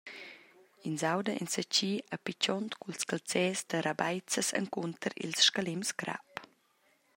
Ins auda enzatgi a pitgond culs calzers da rabaizas encunter ils scalems crap.